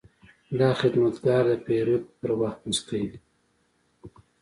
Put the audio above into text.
دا خدمتګر د پیرود پر وخت موسکی وي.